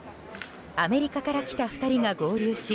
アメリカから来た２人が合流し